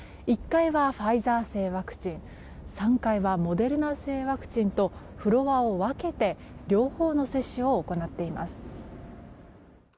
１階はファイザー製ワクチン３階はモデルナ製ワクチンとフロアを分けて両方の接種を行っています。